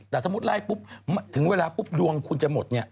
แต่ล่ะข้อมูลไล่ปุ๊บถึงเวล้าดวงคุณจะหมดเนี่ย